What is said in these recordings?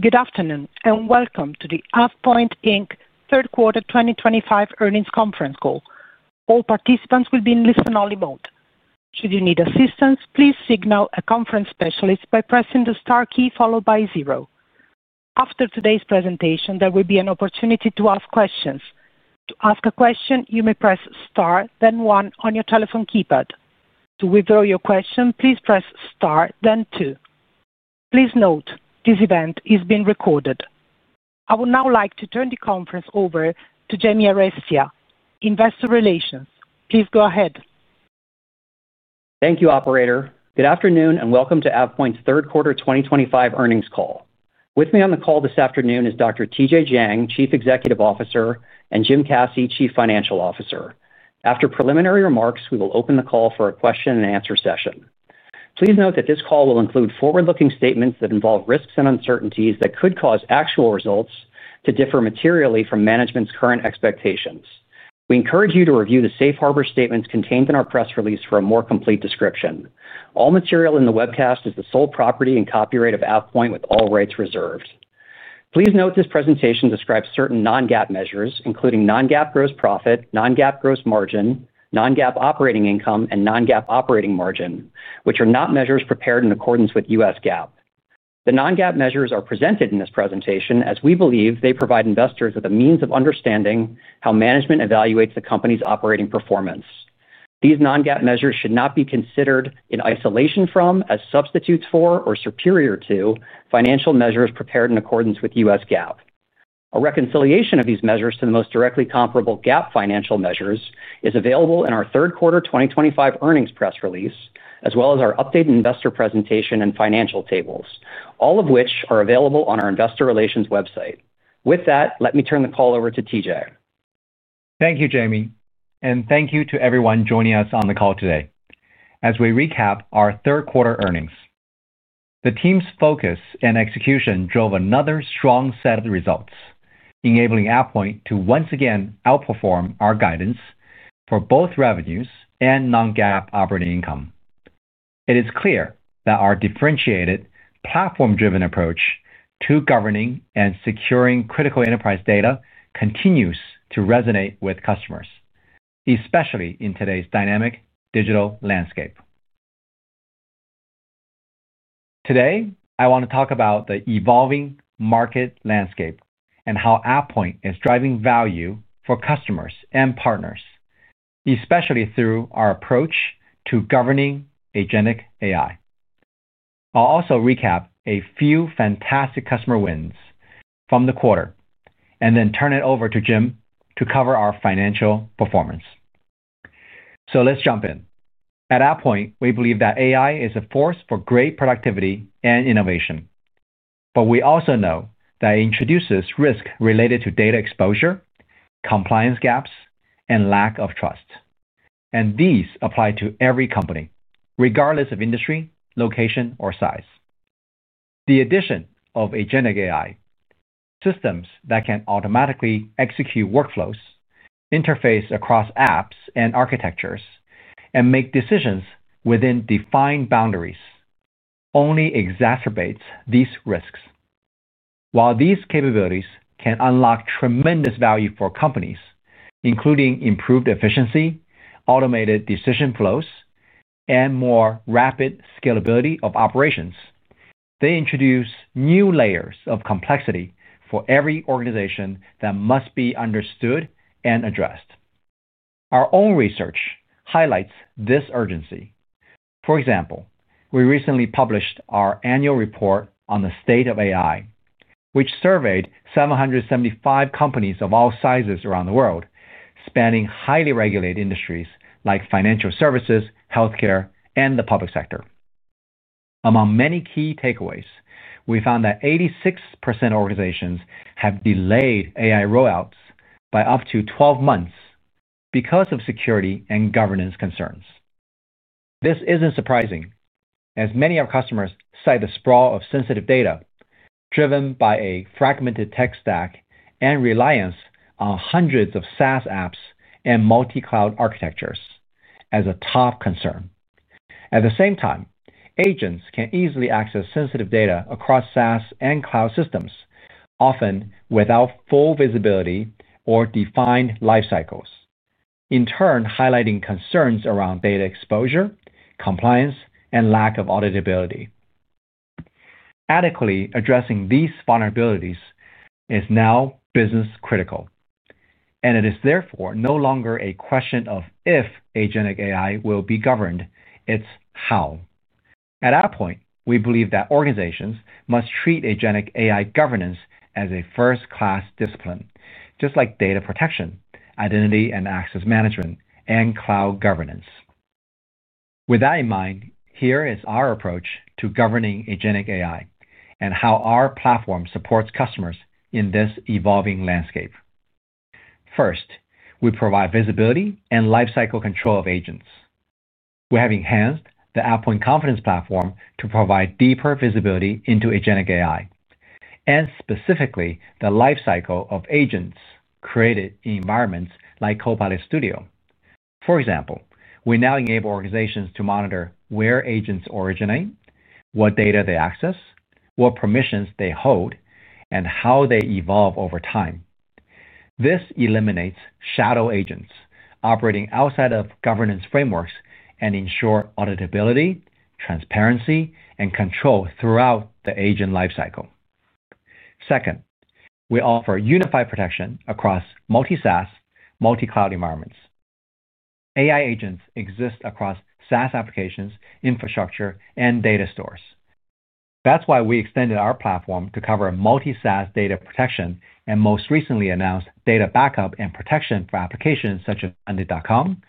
Good afternoon and welcome to the AvePoint third quarter 2025 earnings conference call. All participants will be in listen-only mode. Should you need assistance, please signal a conference specialist by pressing the star key followed by zero. After today's presentation, there will be an opportunity to ask questions. To ask a question, you may press star, then one, on your telephone keypad. To withdraw your question, please press star, then two. Please note this event is being recorded. I would now like to turn the conference over to Jamie Arestia, Investor Relations. Please go ahead. Thank you, operator. Good afternoon and welcome to AvePoint's third quarter 2025 earnings call. With me on the call this afternoon is Dr. Tj Jiang, Chief Executive Officer, and Jim Caci, Chief Financial Officer. After preliminary remarks, we will open the call for a question-and-answer session. Please note that this call will include forward-looking statements that involve risks and uncertainties that could cause actual results to differ materially from management's current expectations. We encourage you to review the safe harbor statements contained in our press release for a more complete description. All material in the webcast is the sole property and copyright of AvePoint, with all rights reserved. Please note this presentation describes certain non-GAAP measures, including non-GAAP gross profit, non-GAAP gross margin, non-GAAP operating income, and non-GAAP operating margin, which are not measures prepared in accordance with U.S. GAAP. The non-GAAP measures are presented in this presentation as we believe they provide investors with a means of understanding how management evaluates the company's operating performance. These non-GAAP measures should not be considered in isolation from, as substitutes for, or superior to, financial measures prepared in accordance with U.S. GAAP. A reconciliation of these measures to the most directly comparable GAAP financial measures is available in our Q3 2025 earnings press release, as well as our updated investor presentation and financial tables, all of which are available on our Investor Relations website. With that, let me turn the call over to TJ. Thank you, Jamie, and thank you to everyone joining us on the call today. As we recap our third quarter earnings, the team's focus and execution drove another strong set of results, enabling AvePoint to once again outperform our guidance for both revenues and non-GAAP operating income. It is clear that our differentiated, platform-driven approach to governing and securing critical enterprise data continues to resonate with customers, especially in today's dynamic digital landscape. Today, I want to talk about the evolving market landscape and how AvePoint is driving value for customers and partners, especially through our approach to governing agentic AI. I'll also recap a few fantastic customer wins from the quarter and then turn it over to Jim to cover our financial performance. Let's jump in. At AvePoint, we believe that AI is a force for great productivity and innovation, but we also know that it introduces risks related to data exposure, compliance gaps, and lack of trust. These apply to every company, regardless of industry, location, or size. The addition of agentic AI, systems that can automatically execute workflows, interface across apps and architectures, and make decisions within defined boundaries, only exacerbates these risks. While these capabilities can unlock tremendous value for companies, including improved efficiency, automated decision flows, and more rapid scalability of operations, they introduce new layers of complexity for every organization that must be understood and addressed. Our own research highlights this urgency. For example, we recently published our annual report on the state of AI, which surveyed 775 companies of all sizes around the world, spanning highly regulated industries like financial services, healthcare, and the public sector. Among many key takeaways, we found that 86% of organizations have delayed AI rollouts by up to 12 months because of security and governance concerns. This is not surprising, as many of our customers cite the sprawl of sensitive data driven by a fragmented tech stack and reliance on hundreds of SaaS apps and multi-cloud architectures as a top concern. At the same time, agents can easily access sensitive data across SaaS and cloud systems, often without full visibility or defined lifecycles, in turn highlighting concerns around data exposure, compliance, and lack of auditability. Adequately addressing these vulnerabilities is now business-critical. It is therefore no longer a question of if agentic AI will be governed; it is how. At AvePoint, we believe that organizations must treat agentic AI governance as a first-class discipline, just like data protection, identity and access management, and cloud governance. With that in mind, here is our approach to governing agentic AI and how our platform supports customers in this evolving landscape. First, we provide visibility and lifecycle control of agents. We have enhanced the AvePoint Confidence Platform to provide deeper visibility into agentic AI and specifically the lifecycle of agents created in environments like Copilot Studio. For example, we now enable organizations to monitor where agents originate, what data they access, what permissions they hold, and how they evolve over time. This eliminates shadow agents operating outside of governance frameworks and ensures auditability, transparency, and control throughout the agent lifecycle. Second, we offer unified protection across multi-SaaS, multi-cloud environments. AI agents exist across SaaS applications, infrastructure, and data stores. That's why we extended our platform to cover multi-SaaS data protection and most recently announced data backup and protection for applications such as Monday.com,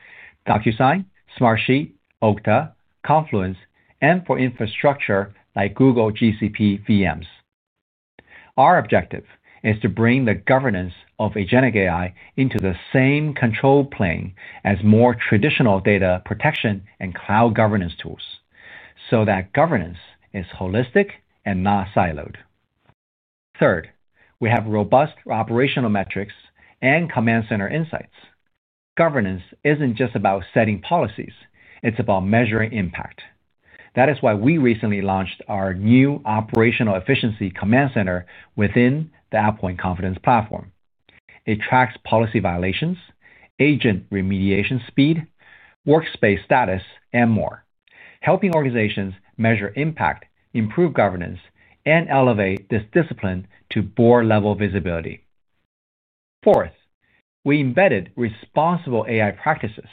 DocuSign, Smartsheet, Okta, Confluence, and for infrastructure like Google GCP VMs. Our objective is to bring the governance of agentic AI into the same control plane as more traditional data protection and cloud governance tools, so that governance is holistic and not siloed. Third, we have robust operational metrics and command center insights. Governance isn't just about setting policies, it's about measuring impact. That is why we recently launched our new Operational Efficiency Command Center within the AvePoint Confidence Platform. It tracks policy violations, agent remediation speed, workspace status, and more, helping organizations measure impact, improve governance, and elevate this discipline to board-level visibility. Fourth, we embedded responsible AI practices.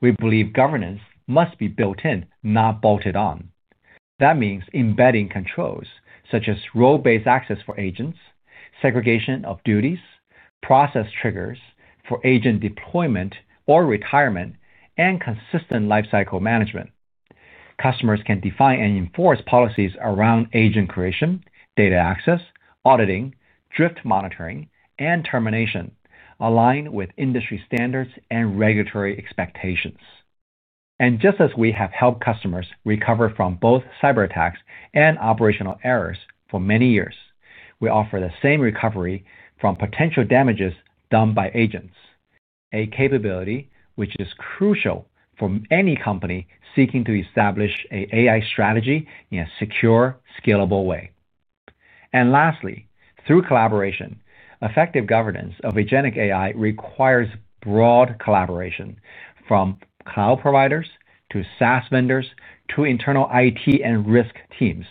We believe governance must be built in, not bolted on. That means embedding controls such as role-based access for agents, segregation of duties, process triggers for agent deployment or retirement, and consistent lifecycle management. Customers can define and enforce policies around agent creation, data access, auditing, drift monitoring, and termination, aligned with industry standards and regulatory expectations. Just as we have helped customers recover from both cyberattacks and operational errors for many years, we offer the same recovery from potential damages done by agents, a capability which is crucial for any company seeking to establish an AI strategy in a secure, scalable way. Lastly, through collaboration, effective governance of agentic AI requires broad collaboration from cloud providers to SaaS vendors to internal IT and risk teams.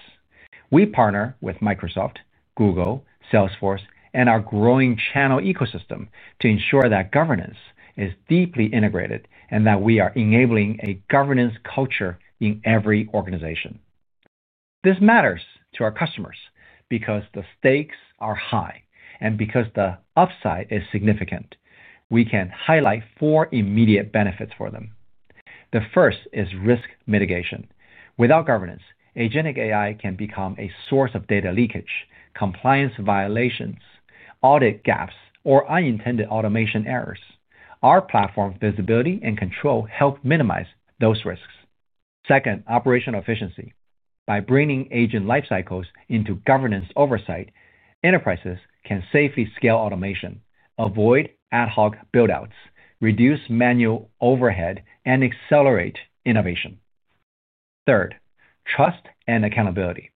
We partner with Microsoft, Google, Salesforce, and our growing channel ecosystem to ensure that governance is deeply integrated and that we are enabling a governance culture in every organization. This matters to our customers because the stakes are high and because the upside is significant. We can highlight four immediate benefits for them. The first is risk mitigation. Without governance, Agentic AI can become a source of data leakage, compliance violations, audit gaps, or unintended automation errors. Our platform visibility and control help minimize those risks. Second, operational efficiency. By bringing agent lifecycles into governance oversight, enterprises can safely scale automation, avoid ad hoc buildouts, reduce manual overhead, and accelerate innovation. Third, trust and accountability.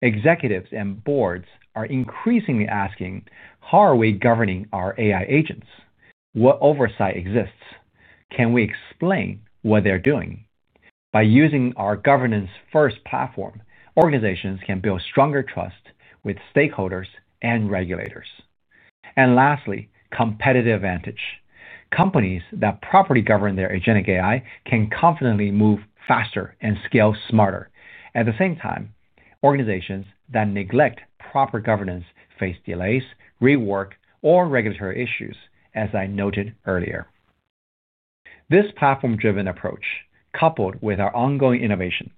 Executives and boards are increasingly asking, "How are we governing our AI agents? What oversight exists? Can we explain what they're doing?" By using our Governance First platform, organizations can build stronger trust with stakeholders and regulators. Lastly, competitive advantage. Companies that properly govern their agentic AI can confidently move faster and scale smarter. At the same time, organizations that neglect proper governance face delays, rework, or regulatory issues, as I noted earlier. This platform-driven approach, coupled with our ongoing innovation,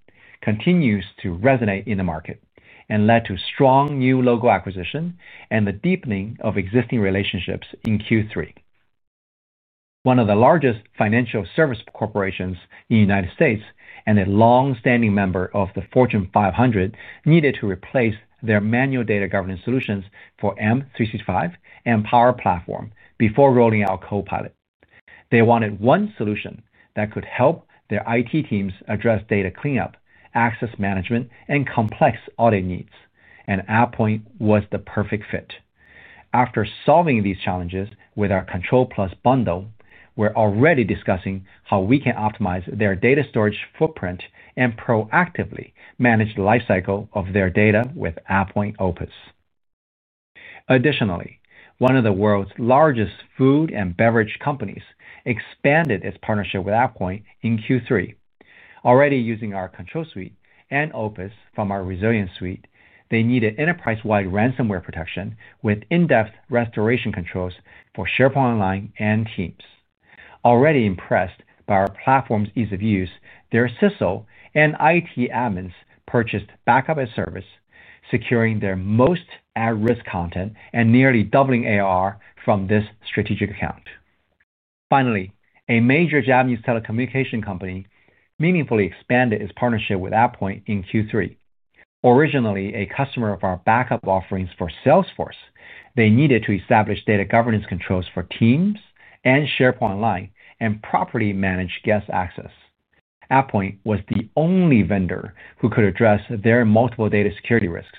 continues to resonate in the market and led to strong new logo acquisition and the deepening of existing relationships. In Q3. One of the largest financial service corporations in the United States and a long-standing member of the Fortune 500 needed to replace their manual data governance solutions for M365 and Power Platform before rolling out Copilot. They wanted one solution that could help their IT teams address data cleanup, access management, and complex audit needs, and AvePoint was the perfect fit. After solving these challenges with our Control+ bundle, we're already discussing how we can optimize their data storage footprint and proactively manage the lifecycle of their data with AvePoint Opus. Additionally, one of the world's largest food and beverage companies expanded its partnership with AvePoint in Q3. Already using our Control Suite and Opus from our Resilience Suite, they needed enterprise-wide ransomware protection with in-depth restoration controls for SharePoint Online and Teams. Already impressed by our platform's ease of use, their CISO and IT admins purchased Backup as a Service, securing their most at-risk content and nearly doubling ARR from this strategic account. Finally, a major Japanese telecommunication company meaningfully expanded its partnership with AvePoint in Q3. Originally a customer of our backup offerings for Salesforce, they needed to establish data governance controls for Teams and SharePoint Online and properly manage guest access. AvePoint was the only vendor who could address their multiple data security risks,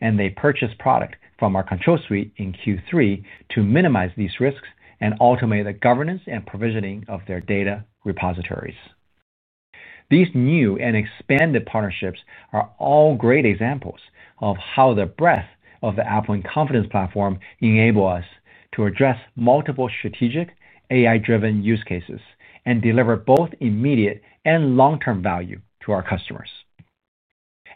and they purchased product from our Control Suite in Q3 to minimize these risks and automate the governance and provisioning of their data repositories. These new and expanded partnerships are all great examples of how the breadth of the AvePoint Confidence Platform enables us to address multiple strategic AI-driven use cases and deliver both immediate and long-term value to our customers.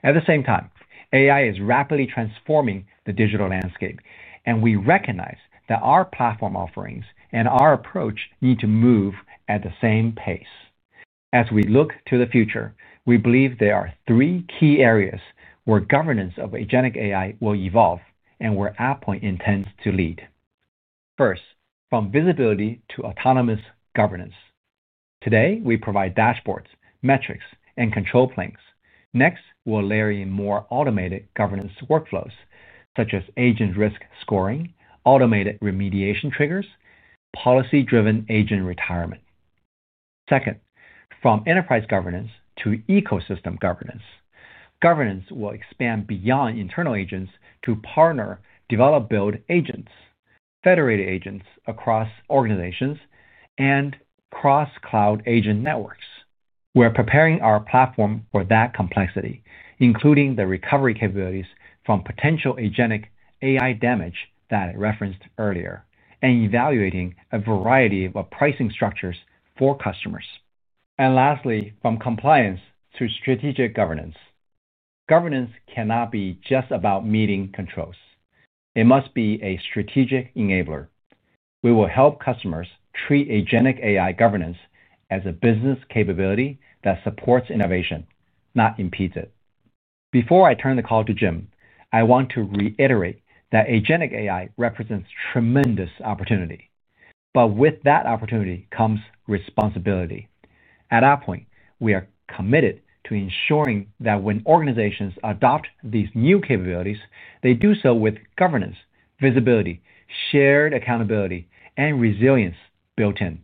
At the same time, AI is rapidly transforming the digital landscape, and we recognize that our platform offerings and our approach need to move at the same pace. As we look to the future, we believe there are three key areas where governance of agentic AI will evolve and where AvePoint intends to lead. First, from visibility to autonomous governance. Today, we provide dashboards, metrics, and control planes. Next, we'll layer in more automated governance workflows, such as agent risk scoring, automated remediation triggers, and policy-driven agent retirement. Second, from enterprise governance to ecosystem governance. Governance will expand beyond internal agents to partner develop-build agents, federated agents across organizations, and cross-cloud agent networks. We're preparing our platform for that complexity, including the recovery capabilities from potential agentic AI damage that I referenced earlier, and evaluating a variety of pricing structures for customers. Lastly, from compliance to strategic governance. Governance cannot be just about meeting controls. It must be a strategic enabler. We will help customers treat agentic AI governance as a business capability that supports innovation, not impedes it. Before I turn the call to Jim, I want to reiterate that agentic AI represents tremendous opportunity. With that opportunity comes responsibility. At AvePoint, we are committed to ensuring that when organizations adopt these new capabilities, they do so with governance, visibility, shared accountability, and resilience built in.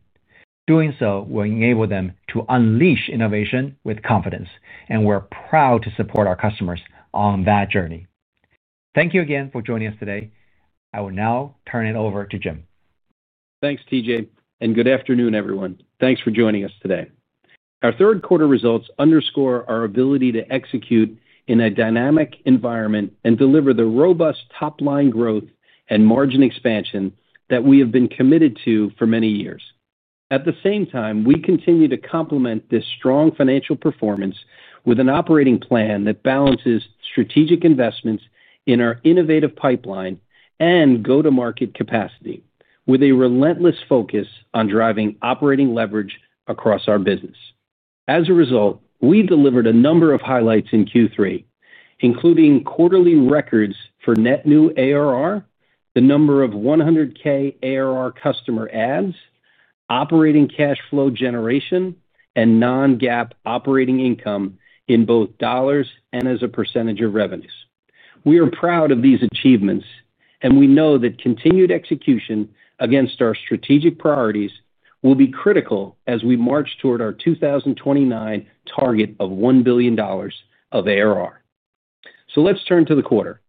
Doing so will enable them to unleash innovation with confidence, and we're proud to support our customers on that journey. Thank you again for joining us today. I will now turn it over to Jim. Thanks, TJ, and good afternoon, everyone. Thanks for joining us today. Our third-quarter results underscore our ability to execute in a dynamic environment and deliver the robust top-line growth and margin expansion that we have been committed to for many years. At the same time, we continue to complement this strong financial performance with an operating plan that balances strategic investments in our innovative pipeline and go-to-market capacity with a relentless focus on driving operating leverage across our business. As a result, we delivered a number of highlights in Q3, including quarterly records for net new ARR, the number of $100,000 ARR customer adds, operating cash flow generation, and non-GAAP operating income in both dollars and as a percentage of revenues. We are proud of these achievements, and we know that continued execution against our strategic priorities will be critical as we march toward our 2029 target of $1 billion of ARR. Let's turn to the quarter.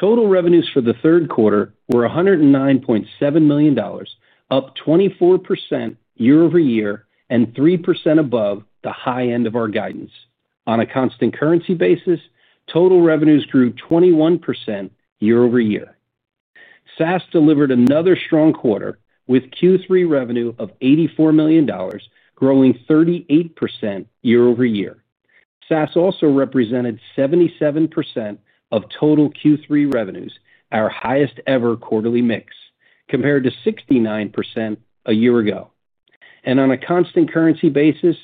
Total revenues for the third quarter were $109.7 million, up 24% year-over-year and 3% above the high end of our guidance. On a constant currency basis, total revenues grew 21% year-over-year. SaaS delivered another strong quarter with Q3 revenue of $84 million, growing 38% year-over-year. SaaS also represented 77% of total Q3 revenues, our highest-ever quarterly mix, compared to 69% a year ago. On a constant currency basis,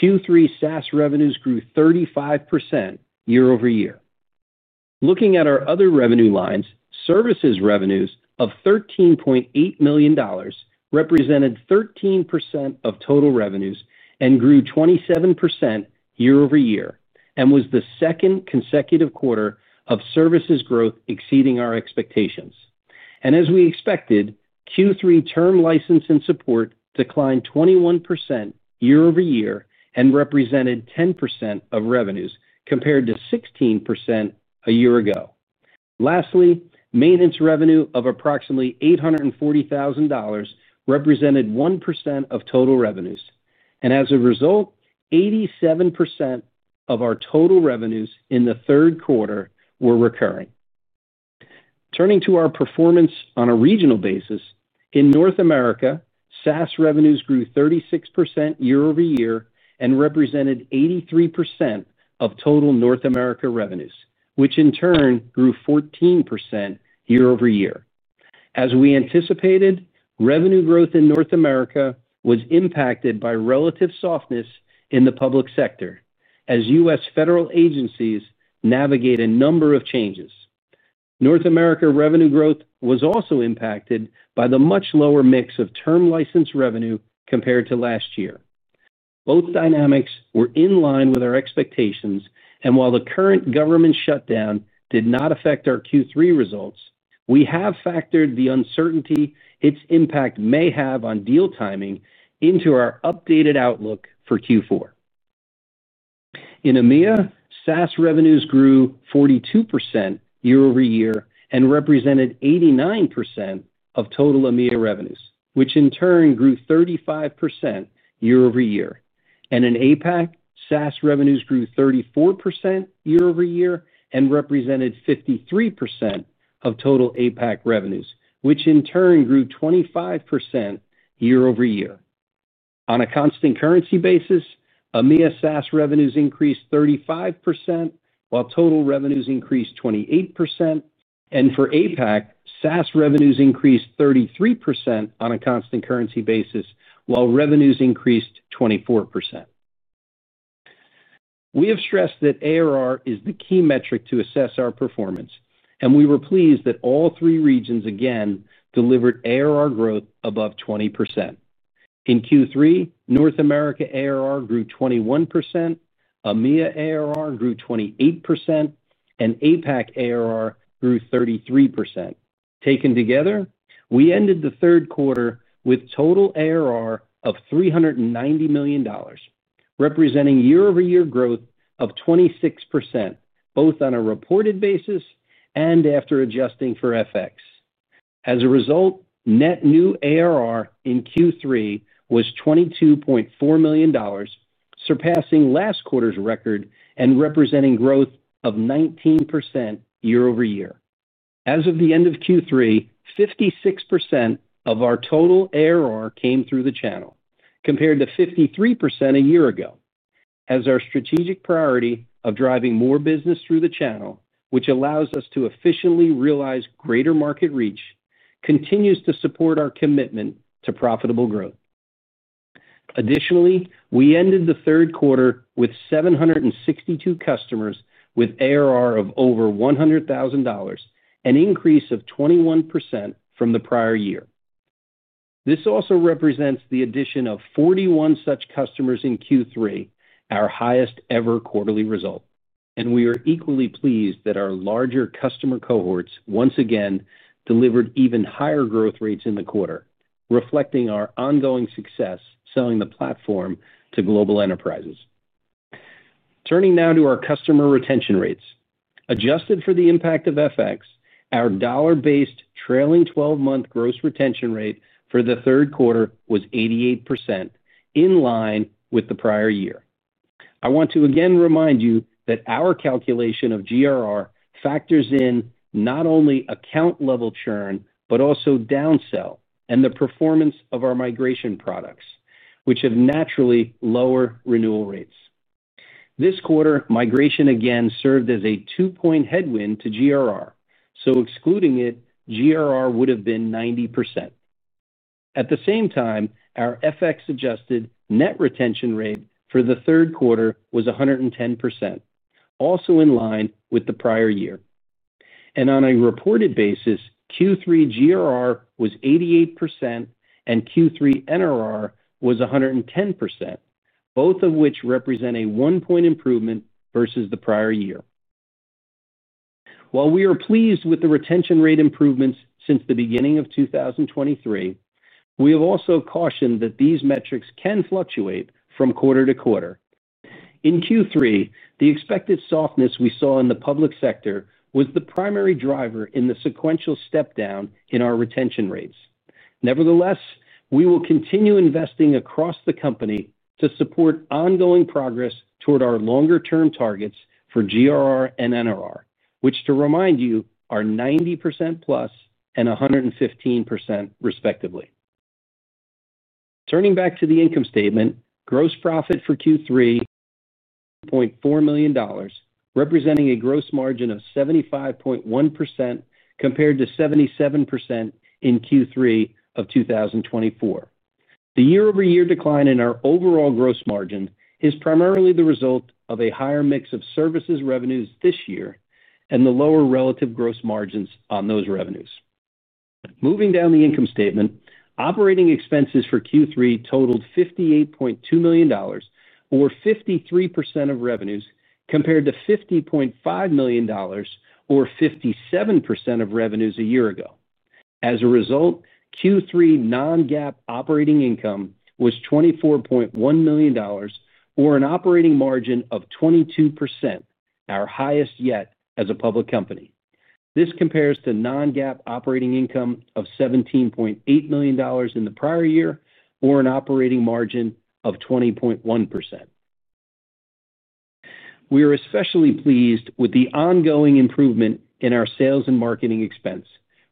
Q3 SaaS revenues grew 35% year-over-year. Looking at our other revenue lines, services revenues of $13.8 million represented 13% of total revenues and grew 27% year-over-year, and was the second consecutive quarter of services growth exceeding our expectations. As we expected, Q3 term license and support declined 21% year-over-year and represented 10% of revenues compared to 16% a year ago. Lastly, maintenance revenue of approximately $840,000 represented 1% of total revenues. As a result, 87% of our total revenues in the third quarter were recurring. Turning to our performance on a regional basis, in North America, SaaS revenues grew 36% year-over-year and represented 83% of total North America revenues, which in turn grew 14% year-over-year. As we anticipated, revenue growth in North America was impacted by relative softness in the public sector as U.S. federal agencies navigate a number of changes. North America revenue growth was also impacted by the much lower mix of term license revenue compared to last year. Both dynamics were in line with our expectations, and while the current government shutdown did not affect our Q3 results, we have factored the uncertainty its impact may have on deal timing into our updated outlook for Q4. In EMEA, SaaS revenues grew 42% year-over-year and represented 89% of total EMEA revenues, which in turn grew 35% year-over-year. In APAC, SaaS revenues grew 34% year-over-year and represented 53% of total APAC revenues, which in turn grew 25% year-over-year. On a constant currency basis, EMEA SaaS revenues increased 35% while total revenues increased 28%. For APAC, SaaS revenues increased 33% on a constant currency basis while revenues increased 24%. We have stressed that ARR is the key metric to assess our performance, and we were pleased that all three regions again delivered ARR growth above 20%. In Q3, North America ARR grew 21%, EMEA ARR grew 28%, and APAC ARR grew 33%. Taken together, we ended the third quarter with total ARR of $390 million, representing year-over-year growth of 26%, both on a reported basis and after adjusting for FX. As a result, net new ARR in Q3 was $22.4 million, surpassing last quarter's record and representing growth of 19% year-over-year. As of the end of Q3, 56% of our total ARR came through the channel, compared to 53% a year ago, as our strategic priority of driving more business through the channel, which allows us to efficiently realize greater market reach, continues to support our commitment to profitable growth. Additionally, we ended the third quarter with 762 customers with ARR of over $100,000, an increase of 21% from the prior year. This also represents the addition of 41 such customers in Q3, our highest-ever quarterly result. We are equally pleased that our larger customer cohorts once again delivered even higher growth rates in the quarter, reflecting our ongoing success selling the platform to global enterprises. Turning now to our customer retention rates. Adjusted for the impact of FX, our dollar-based trailing 12-month gross retention rate for the third quarter was 88%, in line with the prior year. I want to again remind you that our calculation of GRR factors in not only account-level churn but also downsell and the performance of our migration products, which have naturally lower renewal rates. This quarter, migration again served as a two-point headwind to GRR. Excluding it, GRR would have been 90%. At the same time, our FX-adjusted net retention rate for the third quarter was 110%, also in line with the prior year. On a reported basis, Q3 GRR was 88% and Q3 NRR was 110%, both of which represent a one-point improvement versus the prior year. While we are pleased with the retention rate improvements since the beginning of 2023, we have also cautioned that these metrics can fluctuate from quarter to quarter. In Q3, the expected softness we saw in the public sector was the primary driver in the sequential step-down in our retention rates. Nevertheless, we will continue investing across the company to support ongoing progress toward our longer-term targets for GRR and NRR, which, to remind you, are 90%+ and 115% respectively. Turning back to the income statement, gross profit for Q3. $2.4 million, representing a gross margin of 75.1% compared to 77% in Q3 of 2024. The year-over-year decline in our overall gross margin is primarily the result of a higher mix of services revenues this year and the lower relative gross margins on those revenues. Moving down the income statement, operating expenses for Q3 totaled $58.2 million, or 53% of revenues, compared to $50.5 million, or 57% of revenues a year ago. As a result, Q3 non-GAAP operating income was $24.1 million, or an operating margin of 22%, our highest yet as a public company. This compares to non-GAAP operating income of $17.8 million in the prior year, or an operating margin of 20.1%. We are especially pleased with the ongoing improvement in our sales and marketing expense,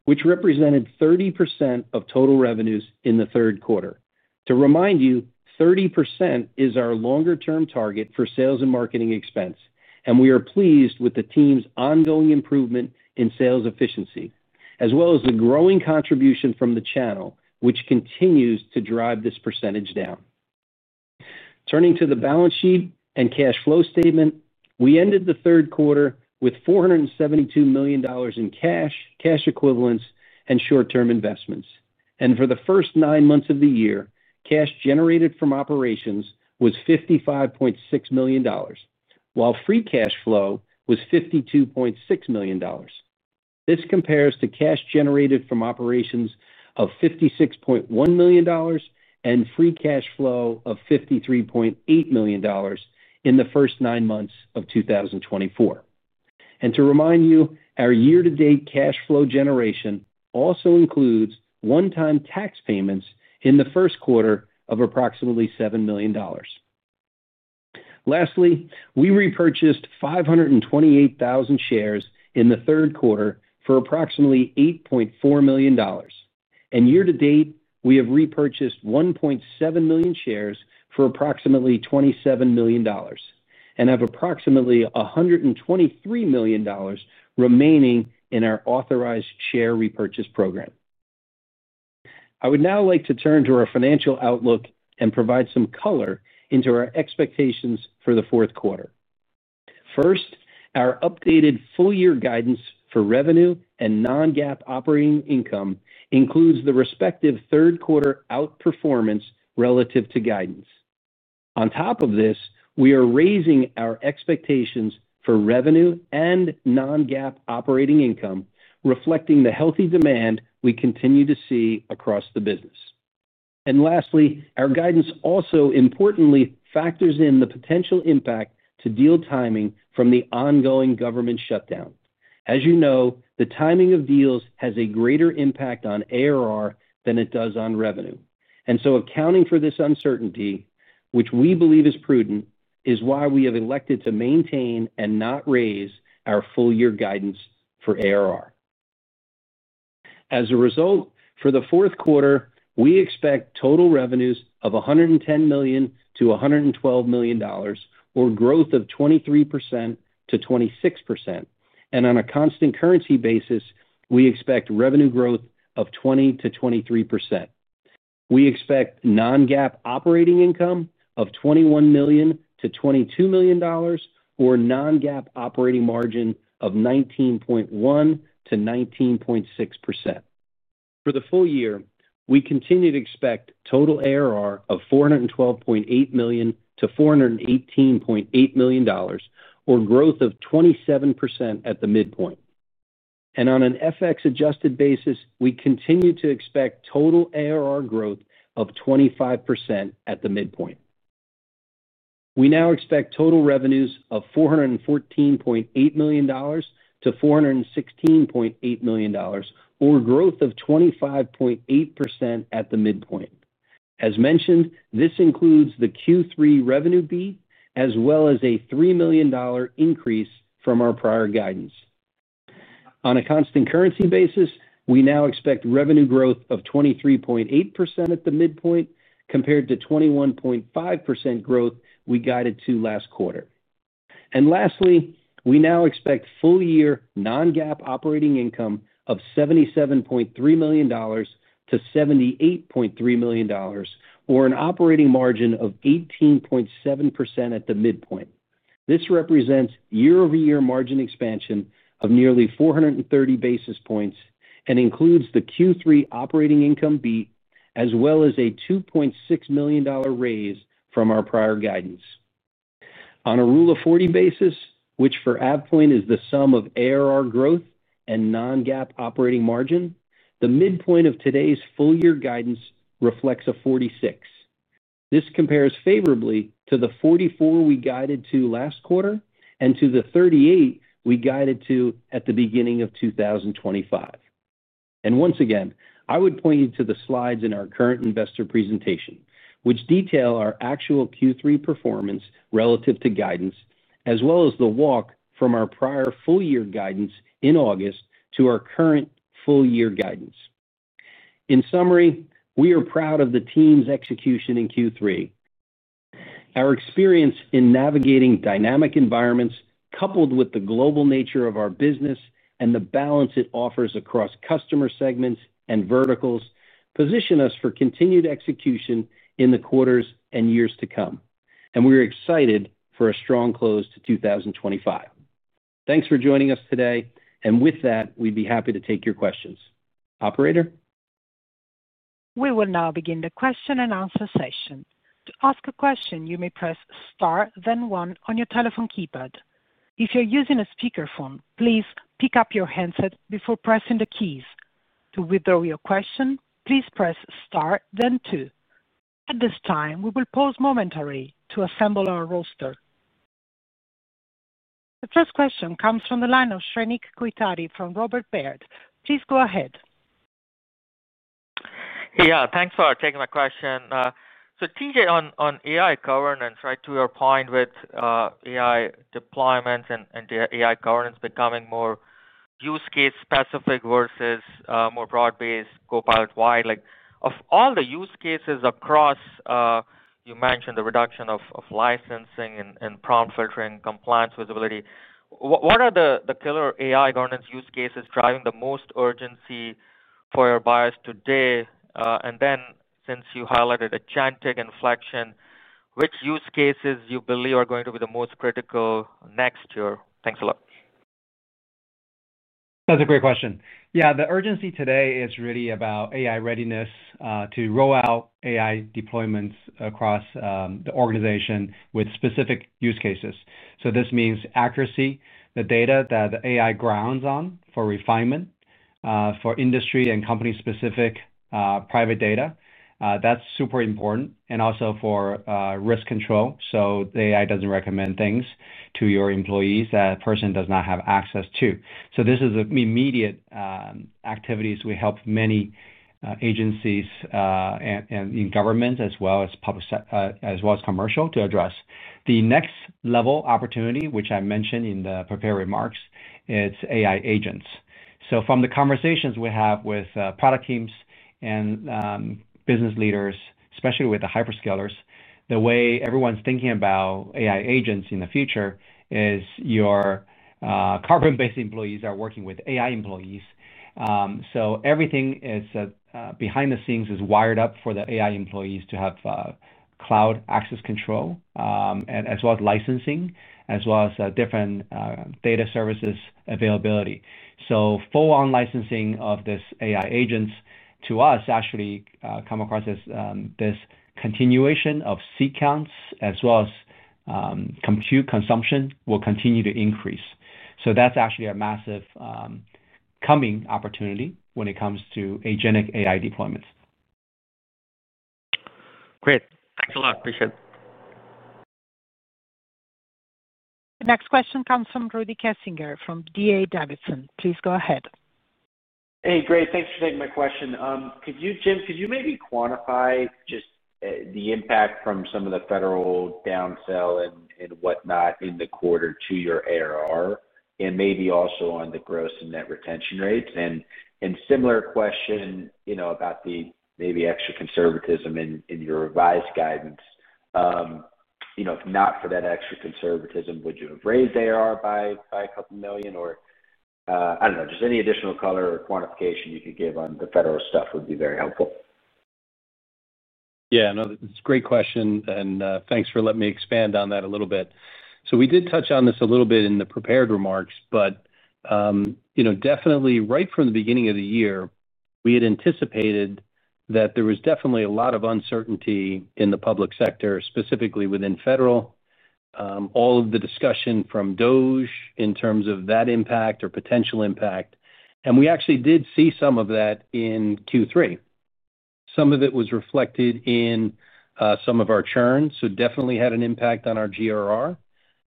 which represented 30% of total revenues in the third quarter. To remind you, 30% is our longer-term target for sales and marketing expense, and we are pleased with the team's ongoing improvement in sales efficiency, as well as the growing contribution from the channel, which continues to drive this percentage down. Turning to the balance sheet and cash flow statement, we ended the third quarter with $472 million in cash, cash equivalents, and short-term investments. For the first nine months of the year, cash generated from operations was $55.6 million, while free cash flow was $52.6 million. This compares to cash generated from operations of $56.1 million and free cash flow of $53.8 million in the first nine months of 2024. To remind you, our year-to-date cash flow generation also includes one-time tax payments in the first quarter of approximately $7 million. Lastly, we repurchased 528,000 shares in the third quarter for approximately $8.4 million. Year-to-date, we have repurchased 1.7 million shares for approximately $27 million and have approximately $123 million remaining in our authorized share repurchase program. I would now like to turn to our financial outlook and provide some color into our expectations for the fourth quarter. First, our updated full-year guidance for revenue and non-GAAP operating income includes the respective third-quarter outperformance relative to guidance. On top of this, we are raising our expectations for revenue and non-GAAP operating income, reflecting the healthy demand we continue to see across the business. Lastly, our guidance also importantly factors in the potential impact to deal timing from the ongoing government shutdown. As you know, the timing of deals has a greater impact on ARR than it does on revenue. Accounting for this uncertainty, which we believe is prudent, is why we have elected to maintain and not raise our full-year guidance for ARR. As a result, for the fourth quarter, we expect total revenues of $110 million-$112 million, or growth of 23%-26%. On a constant currency basis, we expect revenue growth of 20%-23%. We expect non-GAAP operating income of $21 million-$22 million, or non-GAAP operating margin of 19.1%-19.6%. For the full year, we continue to expect total ARR of $412.8 million-$418.8 million, or growth of 27% at the midpoint. On an FX-adjusted basis, we continue to expect total ARR growth of 25% at the midpoint. We now expect total revenues of $414.8 million-$416.8 million, or growth of 25.8% at the midpoint. As mentioned, this includes the Q3 revenue beat as well as a $3 million increase from our prior guidance. On a constant currency basis, we now expect revenue growth of 23.8% at the midpoint compared to 21.5% growth we guided to last quarter. Lastly, we now expect full-year non-GAAP operating income of $77.3 million-$78.3 million, or an operating margin of 18.7% at the midpoint. This represents year-over-year margin expansion of nearly 430 basis points and includes the Q3 operating income beat as well as a $2.6 million raise from our prior guidance. On a rule of 40 basis, which for AvePoint is the sum of ARR growth and non-GAAP operating margin, the midpoint of today's full-year guidance reflects a 46 basis points. This compares favorably to the 44 basis points we guided to last quarter and to the 38 basis points we guided to at the beginning of 2025. Once again, I would point you to the slides in our current investor presentation, which detail our actual Q3 performance relative to guidance, as well as the walk from our prior full-year guidance in August to our current full-year guidance. In summary, we are proud of the team's execution in Q3. Our experience in navigating dynamic environments, coupled with the global nature of our business and the balance it offers across customer segments and verticals, position us for continued execution in the quarters and years to come. We are excited for a strong close to 2025. Thanks for joining us today. With that, we'd be happy to take your questions. Operator? We will now begin the question-and-answer session. To ask a question, you may press star, then one on your telephone keypad. If you're using a speakerphone, please pick up your handset before pressing the keys. To withdraw your question, please press star, then two. At this time, we will pause momentarily to assemble our roster. The first question comes from the line of Srenik Kothari from Robert Baird. Please go ahead. Yeah, thanks for taking my question. So TJ, on AI governance, right, to your point with AI deployments and the AI governance becoming more use case specific versus more broad-based Copilot wide. Of all the use cases across, you mentioned the reduction of licensing and prompt filtering, compliance visibility. What are the killer AI governance use cases driving the most urgency for your buyers today? And then, since you highlighted a Chantiq inflection, which use cases you believe are going to be the most critical next year? Thanks a lot. That's a great question. Yeah, the urgency today is really about AI readiness to roll out AI deployments across the organization with specific use cases. This means accuracy, the data that the AI grounds on for refinement, for industry and company-specific private data. That's super important. Also for risk control, so the AI does not recommend things to your employees that a person does not have access to. This is an immediate activity we help many agencies and in governments, as well as commercial, to address. The next-level opportunity, which I mentioned in the prepared remarks, is AI agents. From the conversations we have with product teams and business leaders, especially with the hyperscalers, the way everyone's thinking about AI agents in the future is your carbon-based employees are working with AI employees. Everything behind the scenes is wired up for the AI employees to have cloud access control. As well as licensing, as well as different data services availability. Full-on licensing of this AI agents to us actually comes across as this continuation of seat counts, as well as compute consumption will continue to increase. That's actually a massive coming opportunity when it comes to agentic AI deployments. Great. Thanks a lot. Appreciate it. The next question comes from Rudy Kessinger from D.A. Davidson. Please go ahead. Hey, great. Thanks for taking my question. Jim, could you maybe quantify just the impact from some of the federal downsell and whatnot in the quarter to your ARR? And maybe also on the gross and net retention rates? Similar question about the maybe extra conservatism in your revised guidance. If not for that extra conservatism, would you have raised ARR by a couple million or I don't know, just any additional color or quantification you could give on the federal stuff would be very helpful. Yeah, no, this is a great question. Thanks for letting me expand on that a little bit. We did touch on this a little bit in the prepared remarks, but definitely, right from the beginning of the year, we had anticipated that there was definitely a lot of uncertainty in the public sector, specifically within federal. All of the discussion from DOGE in terms of that impact or potential impact. We actually did see some of that in Q3. Some of it was reflected in some of our churns, so definitely had an impact on our GRR.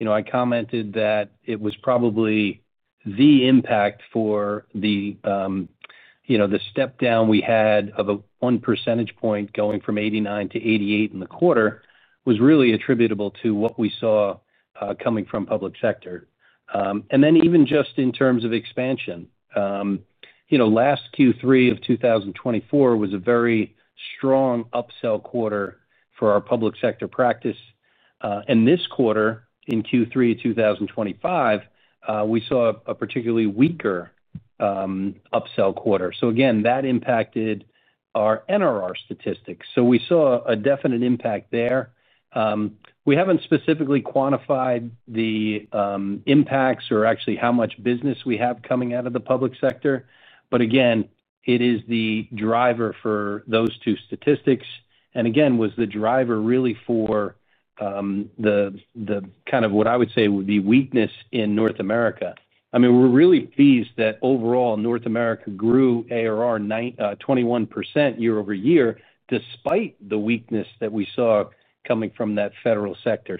I commented that it was probably the impact for the step down we had of a one percentage point going from 89%-88% in the quarter was really attributable to what we saw coming from public sector. And then even just in terms of expansion. Last Q3 of 2024 was a very strong upsell quarter for our public sector practice. This quarter, in Q3 of 2025, we saw a particularly weaker upsell quarter. That impacted our NRR statistics. We saw a definite impact there. We haven't specifically quantified the impacts or actually how much business we have coming out of the public sector. It is the driver for those two statistics. It was the driver really for the kind of what I would say would be weakness in North America? I mean, we're really pleased that overall, North America grew ARR 21% year-over-year despite the weakness that we saw coming from that federal sector.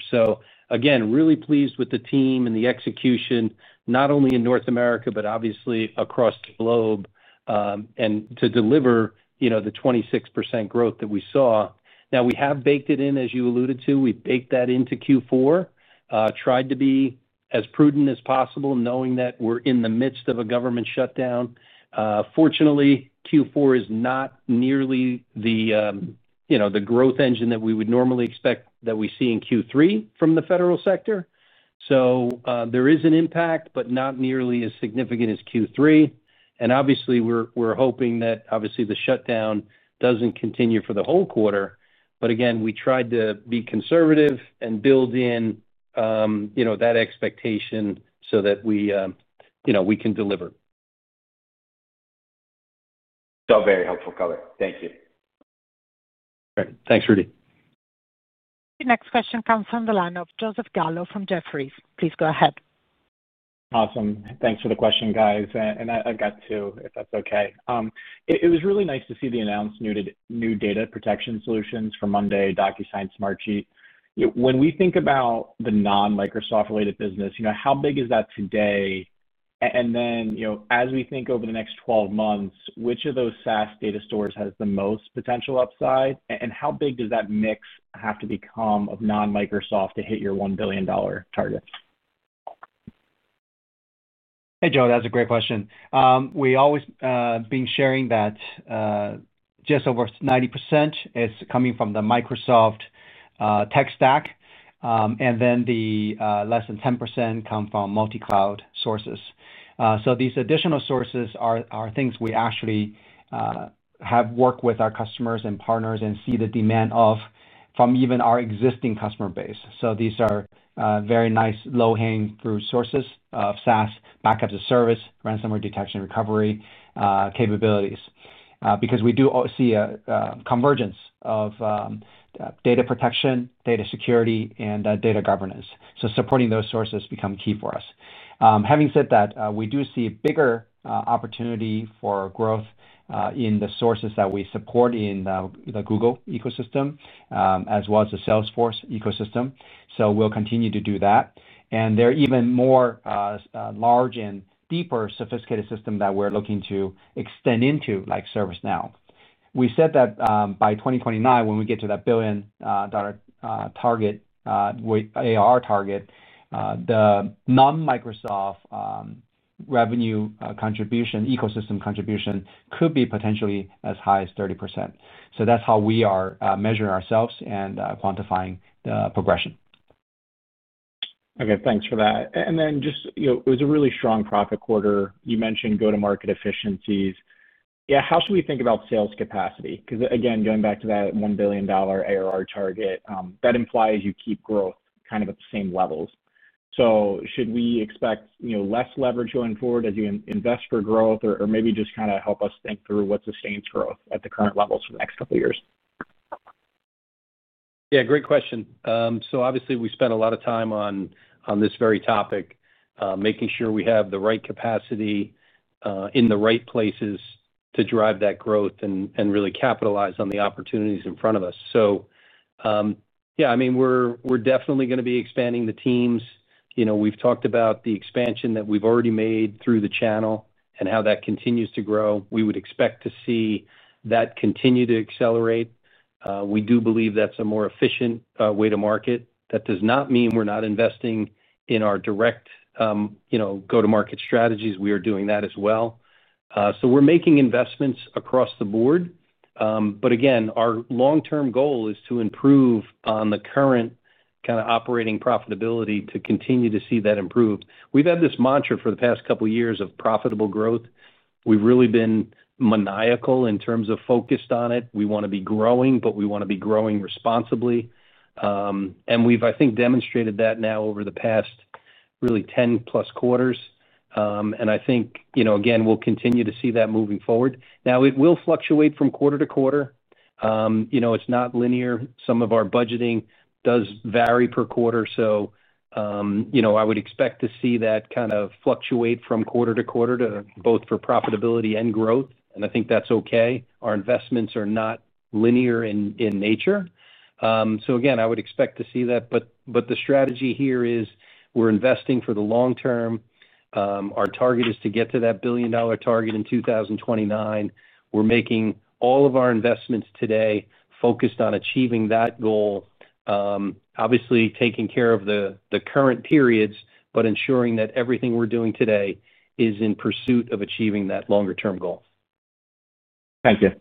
Again, really pleased with the team and the execution, not only in North America, but obviously across the globe. To deliver the 26% growth that we saw. Now, we have baked it in, as you alluded to. We baked that into Q4. Tried to be as prudent as possible, knowing that we're in the midst of a government shutdown. Fortunately, Q4 is not nearly the growth engine that we would normally expect that we see in Q3 from the federal sector. There is an impact, but not nearly as significant as Q3. Obviously, we're hoping that obviously the shutdown doesn't continue for the whole quarter. Again, we tried to be conservative and build in that expectation so that we can deliver. So very helpful, Color. Thank you. Great. Thanks, Rudy. The next question comes from the line of Joseph Gallo from Jefferies. Please go ahead. Awesome. Thanks for the question, guys. And I've got two, if that's okay. It was really nice to see the announced new data protection solutions for Monday.com, DocuSign, Smartsheet. When we think about the non-Microsoft-related business, how big is that today? And then as we think over the next 12 months, which of those SaaS data stores has the most potential upside? And how big does that mix have to become of non-Microsoft to hit your $1 billion target? Hey, Joe, that's a great question. We've always been sharing that just over 90% is coming from the Microsoft tech stack. And then the less than 10% come from multi-cloud sources. So these additional sources are things we actually have worked with our customers and partners and see the demand from even our existing customer base. These are very nice low-hanging fruit sources of SaaS backup to service, ransomware detection, recovery capabilities. We do see a convergence of data protection, data security, and data governance. Supporting those sources becomes key for us. Having said that, we do see a bigger opportunity for growth in the sources that we support in the Google ecosystem, as well as the Salesforce ecosystem. We will continue to do that. There are even more large and deeper sophisticated systems that we're looking to extend into, like ServiceNow. We said that by 2029, when we get to that billion target, ARR target, the non-Microsoft revenue contribution, ecosystem contribution could be potentially as high as 30%. That is how we are measuring ourselves and quantifying the progression. Okay, thanks for that. It was a really strong profit quarter. You mentioned go-to-market efficiencies. Yeah, how should we think about sales capacity? Because again, going back to that $1 billion ARR target, that implies you keep growth kind of at the same levels. Should we expect less leverage going forward as you invest for growth, or maybe just kind of help us think through what sustains growth at the current levels for the next couple of years? Yeah, great question. Obviously, we spent a lot of time on this very topic, making sure we have the right capacity in the right places to drive that growth and really capitalize on the opportunities in front of us. Yeah, I mean, we're definitely going to be expanding the teams. We've talked about the expansion that we've already made through the channel and how that continues to grow. We would expect to see that continue to accelerate. We do believe that's a more efficient way to market. That does not mean we're not investing in our direct go-to-market strategies. We are doing that as well. We are making investments across the board. Again, our long-term goal is to improve on the current kind of operating profitability to continue to see that improve. We've had this mantra for the past couple of years of profitable growth. We've really been maniacal in terms of focused on it. We want to be growing, but we want to be growing responsibly. I think we've demonstrated that now over the past really 10+ quarters. I think, again, we'll continue to see that moving forward. It will fluctuate from quarter to quarter. It's not linear. Some of our budgeting does vary per quarter. I would expect to see that kind of fluctuate from quarter to quarter, both for profitability and growth. I think that's okay. Our investments are not linear in nature. I would expect to see that. The strategy here is we're investing for the long term. Our target is to get to that billion-dollar target in 2029. We're making all of our investments today focused on achieving that goal. Obviously, taking care of the current periods, but ensuring that everything we're doing today is in pursuit of achieving that longer-term goal. Thank you.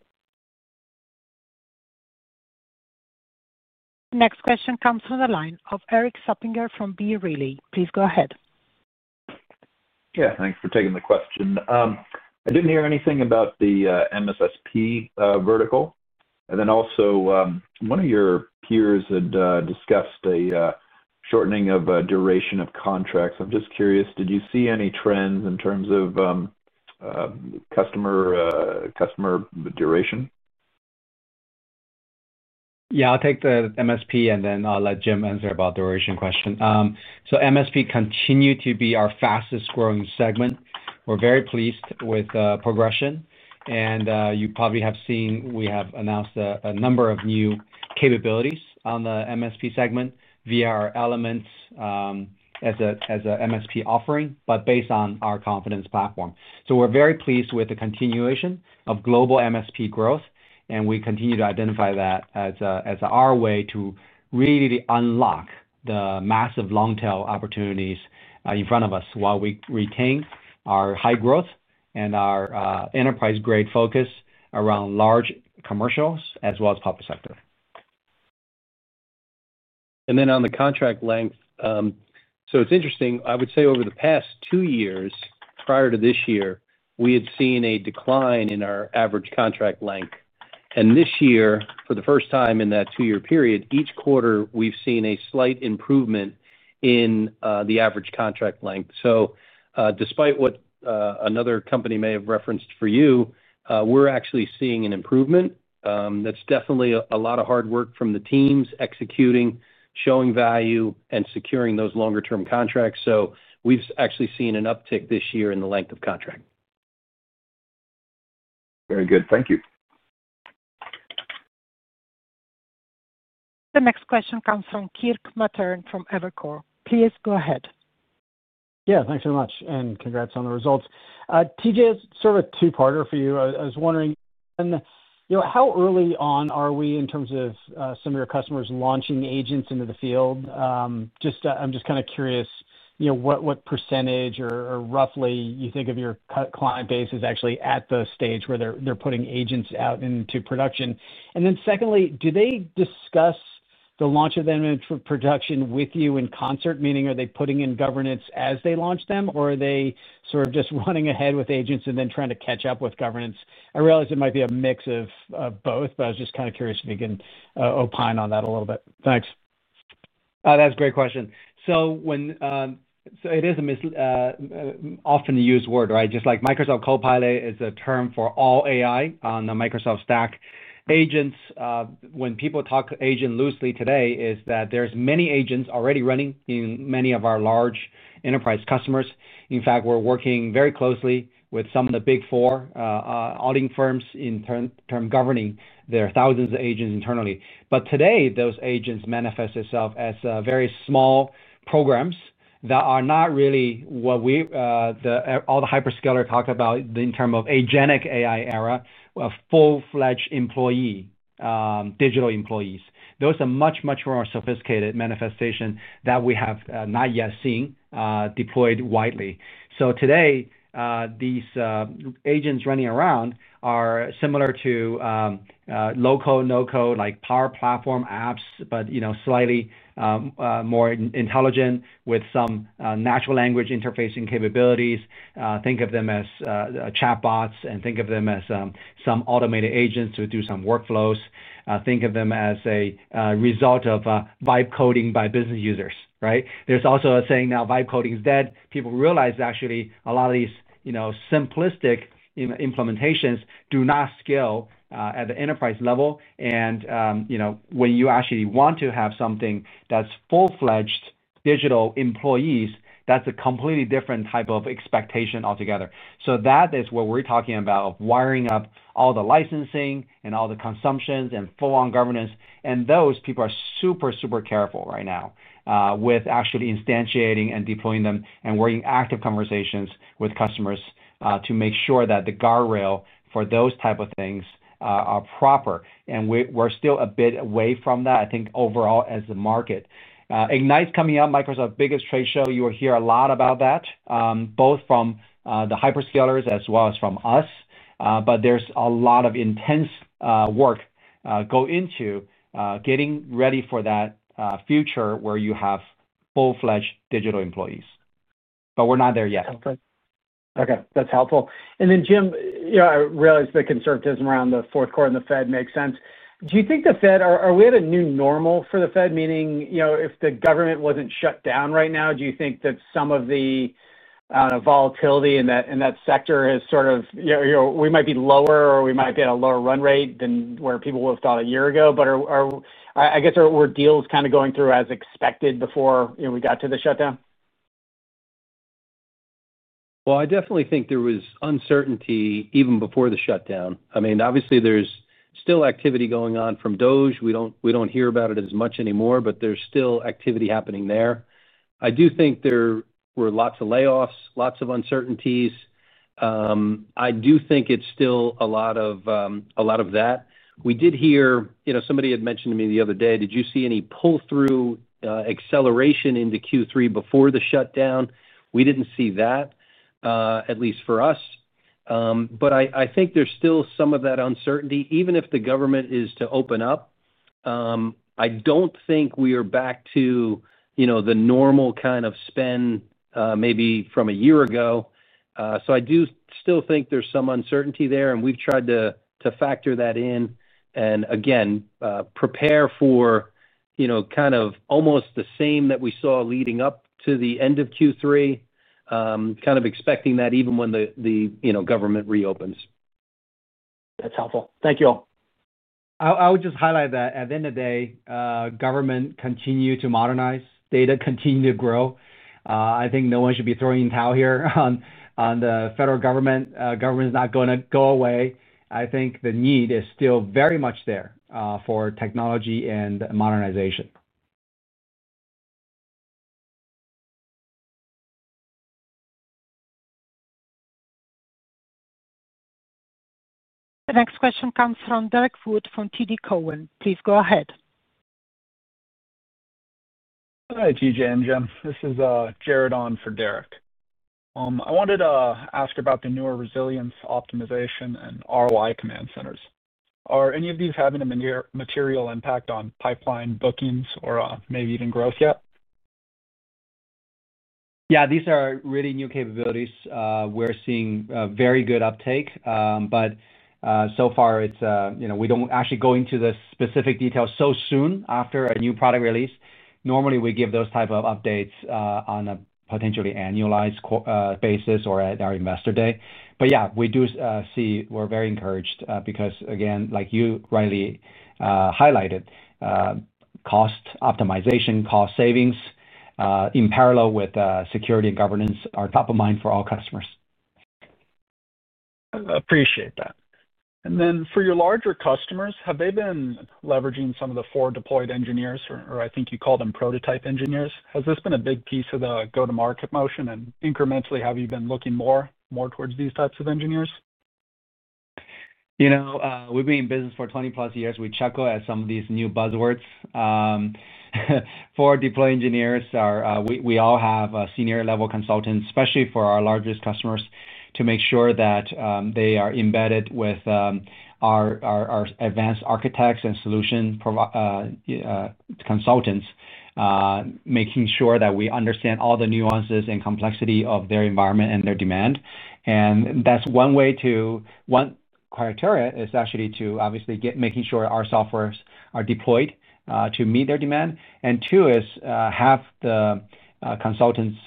The next question comes from the line of Erik Suppiger from B. Riley. Please go ahead. Yeah, thanks for taking the question. I didn't hear anything about the MSSP vertical. Also, one of your peers had discussed a shortening of duration of contracts. I'm just curious, did you see any trends in terms of customer duration? Yeah, I'll take the MSP, and then I'll let Jim answer about the duration question. MSP continued to be our fastest-growing segment. We're very pleased with progression. You probably have seen we have announced a number of new capabilities on the MSP segment via our elements as an MSP offering, but based on our Confidence Platform. We're very pleased with the continuation of global MSP growth. We continue to identify that as our way to really unlock the massive long-tail opportunities in front of us while we retain our high growth and our enterprise-grade focus around large commercials as well as public sector. On the contract length, it's interesting. I would say over the past two years prior to this year, we had seen a decline in our average contract length. This year, for the first time in that two-year period, each quarter, we've seen a slight improvement in the average contract length. Despite what another company may have referenced for you, we're actually seeing an improvement. That's definitely a lot of hard work from the teams executing, showing value, and securing those longer-term contracts. We've actually seen an uptick this year in the length of contract. Very good. Thank you. The next question comes from Kirk Materne from Evercore. Please go ahead. Yeah, thanks so much. And congrats on the results. TJ, sort of a two-parter for you. I was wondering. How early on are we in terms of some of your customers launching agents into the field? I'm just kind of curious. What percentage or roughly you think of your client base is actually at the stage where they're putting agents out into production? Do they discuss the launch of them into production with you in concert? Meaning, are they putting in governance as they launch them, or are they sort of just running ahead with agents and then trying to catch up with governance? I realize it might be a mix of both, but I was just kind of curious if you can opine on that a little bit. Thanks. That's a great question. It is a often-used word, right? Just like Microsoft Copilot is a term for all AI on the Microsoft stack agents. When people talk agent loosely today, there are many agents already running in many of our large enterprise customers. In fact, we're working very closely with some of the Big Four auditing firms in terms of governing their thousands of agents internally. Today, those agents manifest themselves as very small. Programs that are not really what we. All the hyperscalers talk about in terms of agentic AI era, full-fledged employee. Digital employees. Those are much, much more sophisticated manifestations that we have not yet seen deployed widely. Today, these agents running around are similar to low-code, no-code, like Power Platform apps, but slightly more intelligent with some natural language interfacing capabilities. Think of them as chatbots and think of them as some automated agents who do some workflows. Think of them as a result of vibe coding by business users, right? There's also a saying now, vibe coding is dead. People realize actually a lot of these simplistic implementations do not scale at the enterprise level. When you actually want to have something that's full-fledged digital employees, that's a completely different type of expectation altogether. That is what we're talking about, of wiring up all the licensing and all the consumptions and full-on governance. Those people are super, super careful right now with actually instantiating and deploying them and working active conversations with customers to make sure that the guardrail for those types of things are proper. We're still a bit away from that, I think, overall as a market. Ignite's coming up, Microsoft's biggest trade show. You will hear a lot about that. Both from the hyperscalers as well as from us. There is a lot of intense work that goes into getting ready for that future where you have full-fledged digital employees. We're not there yet. Okay. That's helpful. Then, Jim, I realize the conservatism around the fourth quarter and the Fed makes sense. Do you think the Fed, are we at a new normal for the Fed? Meaning, if the government wasn't shut down right now, do you think that some of the volatility in that sector has sort of—we might be lower or we might be at a lower run rate than where people would have thought a year ago? I guess, were deals kind of going through as expected before we got to the shutdown? I definitely think there was uncertainty even before the shutdown. I mean, obviously, there's still activity going on from DocuSign. We don't hear about it as much anymore, but there's still activity happening there. I do think there were lots of layoffs, lots of uncertainties. I do think it's still a lot of that. We did hear somebody had mentioned to me the other day, "Did you see any pull-through acceleration into Q3 before the shutdown?" We didn't see that, at least for us. I think there's still some of that uncertainty. Even if the government is to open up, I don't think we are back to the normal kind of spend maybe from a year ago. I do still think there's some uncertainty there, and we've tried to factor that in and, again, prepare for kind of almost the same that we saw leading up to the end of Q3, kind of expecting that even when the government reopens. That's helpful. Thank you all. I would just highlight that at the end of the day, government continue to modernize, data continue to grow. I think no one should be throwing towel here on the federal government. Government is not going to go away. I think the need is still very much there for technology and modernization. The next question comes from Derrick Wood from TD Cowen. Please go ahead. Hi, TJ and Jim. This is Jared on for Derrick. I wanted to ask about the newer resilience optimization and ROI command centers. Are any of these having a material impact on pipeline bookings or maybe even growth yet? Yeah, these are really new capabilities. We're seeing very good uptake. So far, we don't actually go into the specific details so soon after a new product release. Normally, we give those types of updates on a potentially annualized basis or at our Investor Day. Yeah, we do see we're very encouraged because, again, like you rightly highlighted. Cost optimization, cost savings. In parallel with security and governance are top of mind for all customers. Appreciate that. For your larger customers, have they been leveraging some of the four deployed engineers, or I think you call them prototype engineers? Has this been a big piece of the go-to-market motion? Incrementally, have you been looking more towards these types of engineers? We've been in business for 20+ years. We chuckle at some of these new buzzwords. For deployed engineers, we all have senior-level consultants, especially for our largest customers, to make sure that they are embedded with our advanced architects and solution consultants, making sure that we understand all the nuances and complexity of their environment and their demand. That is one way to—one criteria is actually to obviously get making sure our softwares are deployed to meet their demand. Two is have the consultants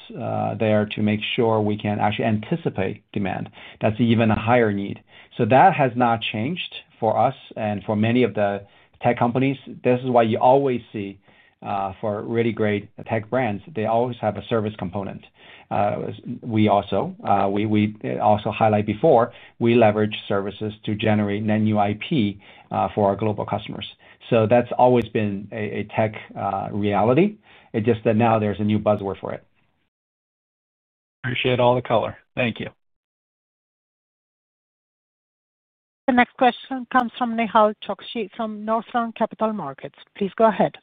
there to make sure we can actually anticipate demand. That is even a higher need. That has not changed for us and for many of the tech companies. This is what you always see for really great tech brands. They always have a service component. We also highlight before, we leverage services to generate net new IP for our global customers. So that's always been a tech reality. It's just that now there's a new buzzword for it. Appreciate all the color. Thank you. The next question comes from Nihal Chokshi from Northland Capital Markets.. Please go ahead.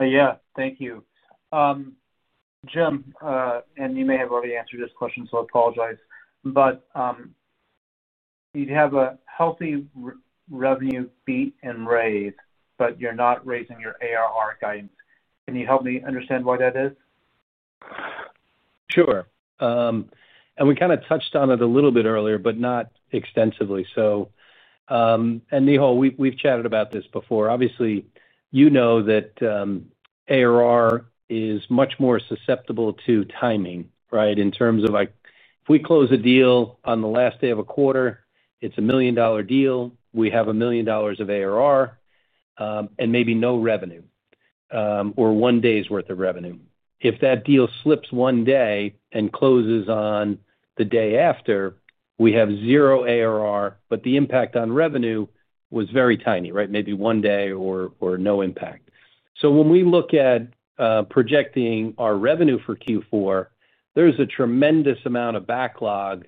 Yeah, thank you. Jim, and you may have already answered this question, so I apologize. You'd have a healthy revenue beat and raise, but you're not raising your ARR guidance. Can you help me understand why that is? Sure. And we kind of touched on it a little bit earlier, but not extensively. And Nihal, we've chatted about this before. Obviously, you know that ARR is much more susceptible to timing, right? In terms of if we close a deal on the last day of a quarter, it's a million-dollar deal. We have $1 million of ARR. And maybe no revenue. Or one day's worth of revenue. If that deal slips one day and closes on the day after, we have zero ARR, but the impact on revenue was very tiny, right? Maybe one day or no impact. When we look at projecting our revenue for Q4, there's a tremendous amount of backlog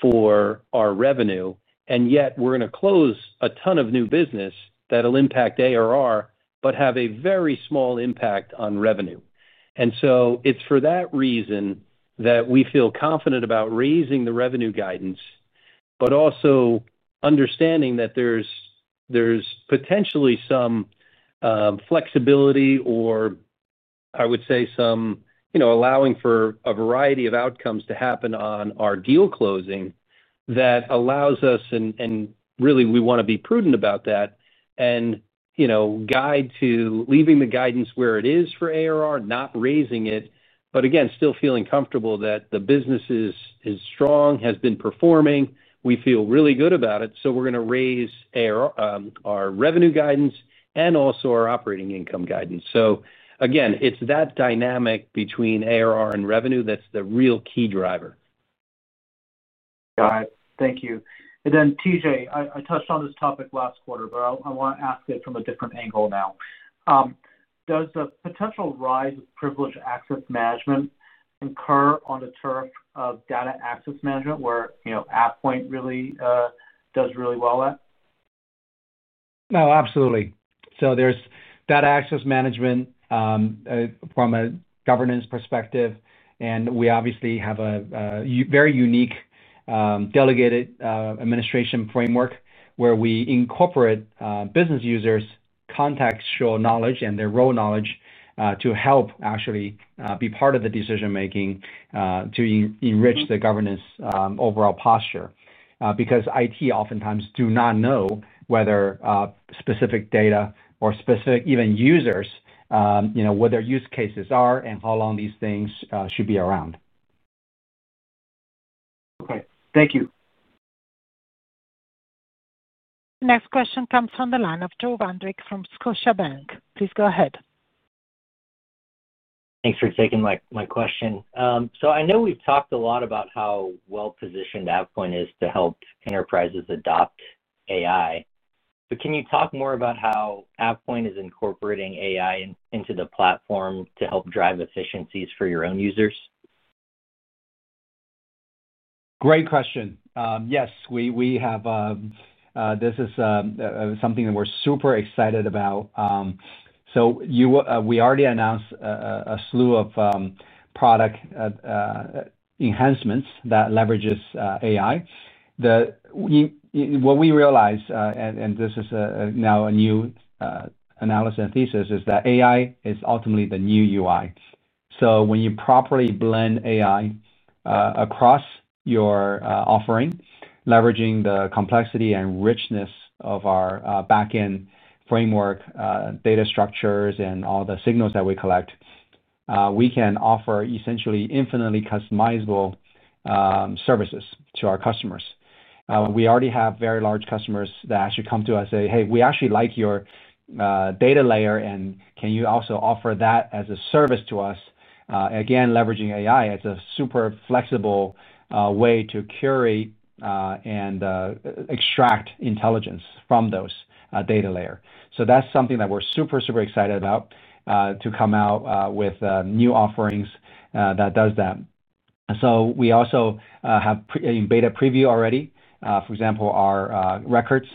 for our revenue. Yet, we're going to close a ton of new business that will impact ARR, but have a very small impact on revenue. It is for that reason that we feel confident about raising the revenue guidance, but also understanding that there's potentially some flexibility or, I would say, some. Allowing for a variety of outcomes to happen on our deal closing that allows us, and really, we want to be prudent about that. Guide to leaving the guidance where it is for ARR, not raising it, but again, still feeling comfortable that the business is strong, has been performing. We feel really good about it. We are going to raise our revenue guidance and also our operating income guidance. Again, it is that dynamic between ARR and revenue that is the real key driver. Got it. Thank you. Then, TJ, I touched on this topic last quarter, but I want to ask it from a different angle now. Does the potential rise of privileged access management incur on the turf of data access management where AvePoint really does really well at? No, absolutely. There is data access management from a governance perspective. We obviously have a very unique delegated administration framework where we incorporate business users' contextual knowledge and their role knowledge to help actually be part of the decision-making to enrich the governance overall posture. Because IT oftentimes do not know whether specific data or specific even users, what their use cases are, and how long these things should be around. Okay. Thank you. The next question comes from the line of Joe Vandrick from Scotiabank. Please go ahead. Thanks for taking my question. I know we've talked a lot about how well-positioned AvePoint is to help enterprises adopt AI. Can you talk more about how AvePoint is incorporating AI into the platform to help drive efficiencies for your own users? Great question. Yes, we have. This is something that we're super excited about. We already announced a slew of product enhancements that leverages AI.What we realized, and this is now a new analysis and thesis, is that AI is ultimately the new UI. When you properly blend AI across your offering, leveraging the complexity and richness of our backend framework, data structures, and all the signals that we collect, we can offer essentially infinitely customizable services to our customers. We already have very large customers that actually come to us and say, "Hey, we actually like your data layer. And can you also offer that as a service to us?" Again, leveraging AI as a super flexible way to curate and extract intelligence from those data layers. That is something that we are super, super excited about, to come out with new offerings that do that. We also have in beta preview already, for example, our records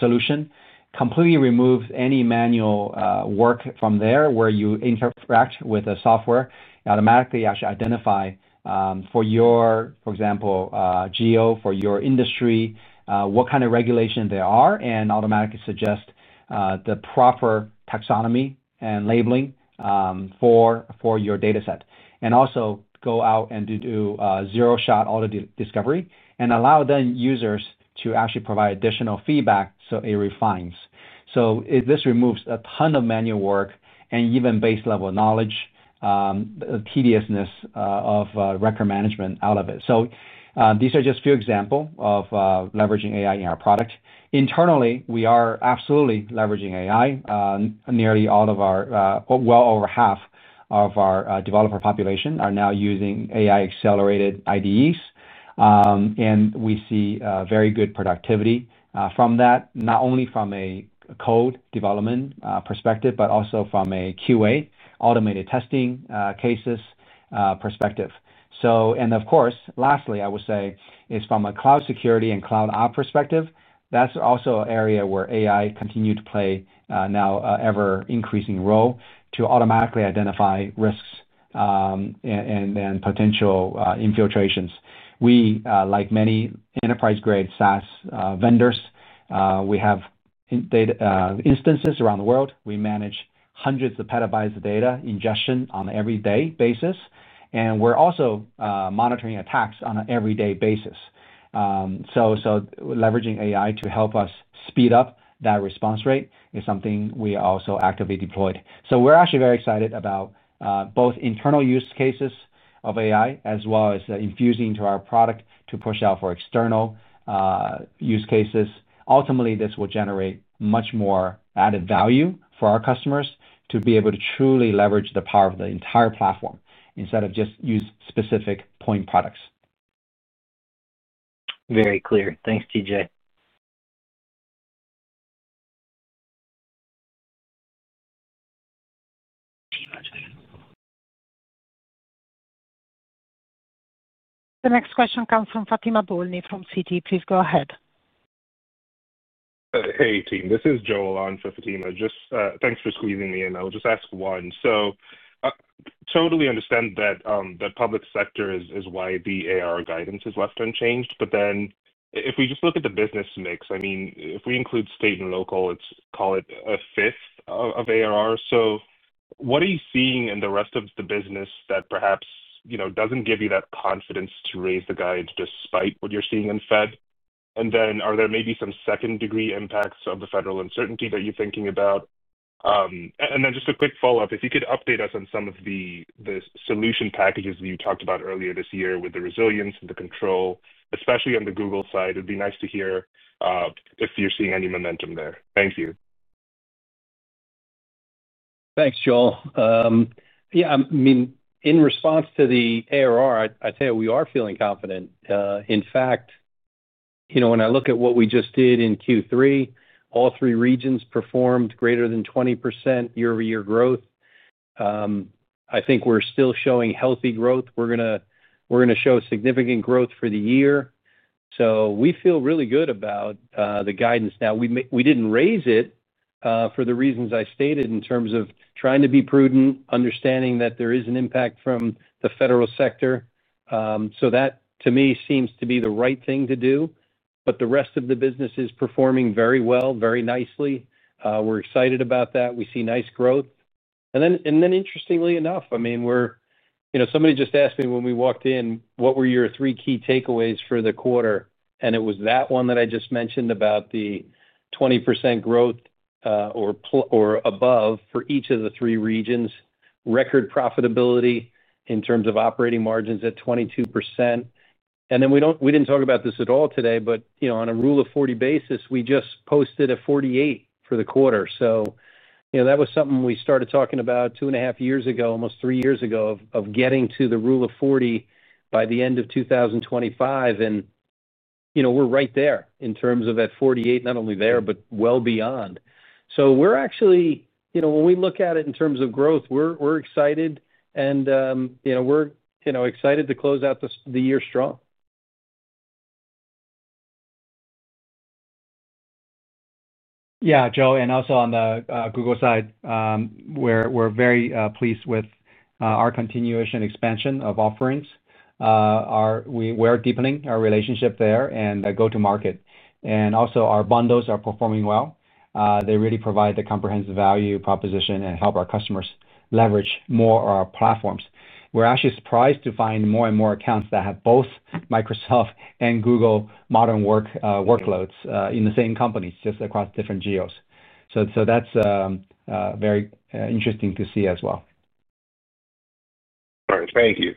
solution completely removes any manual work from there where you interact with the software. Automatically actually identify for your, for example, geo, for your industry, what kind of regulation there are, and automatically suggest the proper taxonomy and labeling for your dataset. It also goes out and does zero-shot audit discovery and allows then users to actually provide additional feedback so it refines. This removes a ton of manual work and even base-level knowledge. Tediousness of record management out of it. These are just a few examples of leveraging AI in our product. Internally, we are absolutely leveraging AI. Nearly all of our well over half of our developer population are now using AI-accelerated IDEs. We see very good productivity from that, not only from a code development perspective, but also from a QA, automated testing cases perspective. Of course, lastly, I would say, is from a cloud security and cloud op perspective. That's also an area where AI continued to play now an ever-increasing role to automatically identify risks and potential infiltrations. We, like many enterprise-grade SaaS vendors, have instances around the world. We manage hundreds of petabytes of data ingestion on an everyday basis, and we're also monitoring attacks on an everyday basis. Leveraging AI to help us speed up that response rate is something we also actively deployed. We're actually very excited about both internal use cases of AI as well as infusing into our product to push out for external use cases. Ultimately, this will generate much more added value for our customers to be able to truly leverage the power of the entire platform instead of just use specific point products. Very clear. Thanks, TJ. The next question comes from Fatima Boolani from Citi. Please go ahead. Hey, team. This is Joel on for Fatima. Just thanks for squeezing me in. I'll just ask one. Totally understand that the public sector is why the ARR guidance is left unchanged. If we just look at the business mix, I mean, if we include state and local, let's call it a fifth of ARR. What are you seeing in the rest of the business that perhaps doesn't give you that confidence to raise the guide despite what you're seeing in Fed? Are there maybe some second-degree impacts of the federal uncertainty that you're thinking about? Just a quick follow-up. If you could update us on some of the solution packages that you talked about earlier this year with the resilience and the control, especially on the Google side, it'd be nice to hear if you're seeing any momentum there. Thank you. Thanks, Joel. Yeah, I mean, in response to the ARR, I tell you, we are feeling confident. In fact, when I look at what we just did in Q3, all three regions performed greater than 20% year-over-year growth. I think we're still showing healthy growth. We're going to show significant growth for the year. We feel really good about the guidance now. We didn't raise it for the reasons I stated in terms of trying to be prudent, understanding that there is an impact from the federal sector. That, to me, seems to be the right thing to do. The rest of the business is performing very well, very nicely. We're excited about that. We see nice growth. Interestingly enough, I mean, somebody just asked me when we walked in, "What were your three key takeaways for the quarter?" It was that one that I just mentioned about the 20% growth or above for each of the three regions, record profitability in terms of operating margins at 22%. We did not talk about this at all today, but on a rule of 40 basis, we just posted a 48 for the quarter. That was something we started talking about two and a half years ago, almost three years ago, of getting to the rule of 40 by the end of 2025. We are right there in terms of that 48, not only there, but well beyond. We are actually, when we look at it in terms of growth, excited. We are excited to close out the year strong. Yeah, Joe. Also on the Google side, we're very pleased with our continued expansion of offerings. We are deepening our relationship there and go to market. Our bundles are performing well. They really provide the comprehensive value proposition and help our customers leverage more of our platforms. We're actually surprised to find more and more accounts that have both Microsoft and Google modern workloads in the same companies, just across different geos. That is very interesting to see as well. All right. Thank you.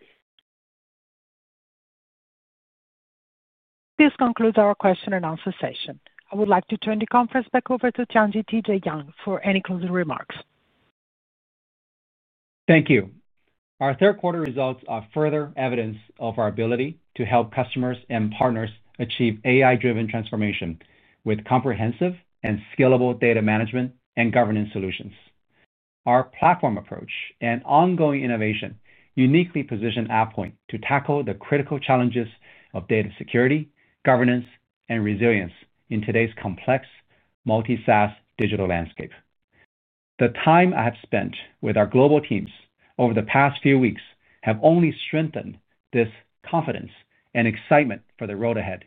This concludes our question and answer session. I would like to turn the conference back over to Tianyi TJ Jiang, for any closing remarks. Thank you. Our third-quarter results are further evidence of our ability to help customers and partners achieve AI-driven transformation with comprehensive and scalable data management and governance solutions. Our platform approach and ongoing innovation uniquely position AvePoint to tackle the critical challenges of data security, governance, and resilience in today's complex multi-SaaS digital landscape. The time I have spent with our global teams over the past few weeks has only strengthened this confidence and excitement for the road ahead.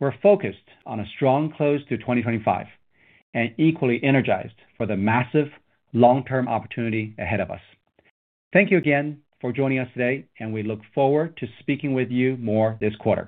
We're focused on a strong close to 2025 and equally energized for the massive long-term opportunity ahead of us. Thank you again for joining us today, and we look forward to speaking with you more this quarter.